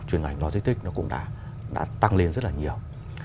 truyền ngành lôi stick cũng đã tăng lên rất nhiều